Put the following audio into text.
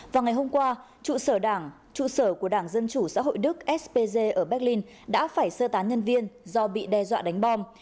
vào ngày hôm qua trụ sở của đảng dân chủ xã hội đức ở berlin đã phải sơ tán nhân viên do bị đe dọa đánh bom